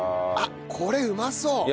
あっこれうまそう！